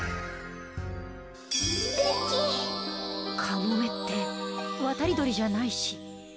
カモメってわたりどりじゃないし。